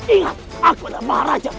ingat aku adalah maharaja